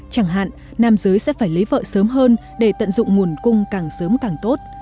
chẳng hạn nam giới sẽ phải lấy vợ sớm hơn để tận dụng nguồn cung càng sớm càng tốt